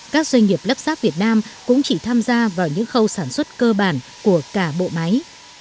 các doanh nghiệp lắp sáp việt nam cũng chỉ tham gia vào những khâu sản xuất cơ bản của cả bộ máy